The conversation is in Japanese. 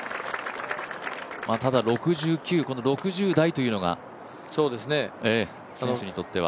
ただ６９、６０台というのが選手にとっては。